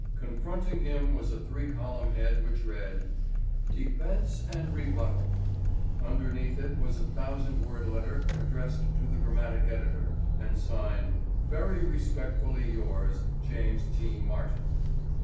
Confronting him was a three column head which read: "Defense and a Rebuttal." Underneath it was a thousand word letter addressed to the dramatic editor and signed "Very Respectfully Yours, James T. Martin."